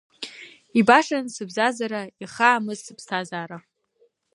Ибашан сыбзазара, ихаамызт сыԥсҭазаара…